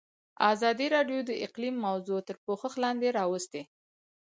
ازادي راډیو د اقلیم موضوع تر پوښښ لاندې راوستې.